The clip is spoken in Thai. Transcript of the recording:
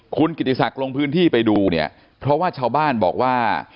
คุณกิติศักดิ์ลงพื้นที่ไปดูเนี่ยเพราะว่าชาวบ้านบอกว่า